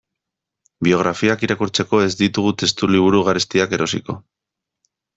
Biografiak irakurtzeko ez ditugu testuliburu garestiak erosiko.